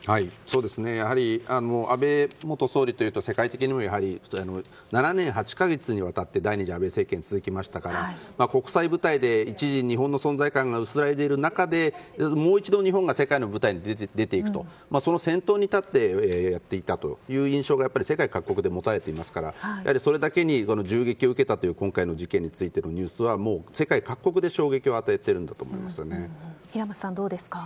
やはり、安倍元総理というと世界的にも７年８か月にわたって第２次安倍政権が続きましたから国際舞台で一時、日本の存在感が薄らいでいる中でもう一度、日本が世界の舞台に出て行くその先頭に立ってやっていたという印象が世界各国で持たれていますからそれだけに銃撃を受けたという今回の事件についてのニュースは世界各国で衝撃を平松さん、どうですか？